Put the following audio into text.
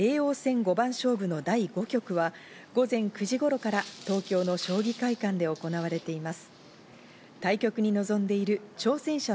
叡王戦五番勝負の第５局は午前９時頃から東京の将棋会館で行われています。